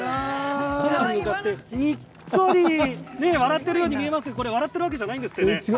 カメラに向かってにっこり笑っているように見えますが笑ってるわけじゃないんですね。